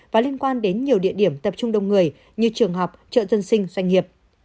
và liên quan đến nhiều địa điểm tập trung đông người như trường học chợ dân sinh doanh nghiệp